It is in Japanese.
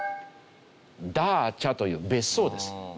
ダーチャという別荘です。